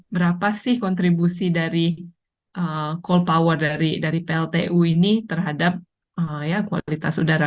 berapa sih kontribusi dari call power dari pltu ini terhadap kualitas udara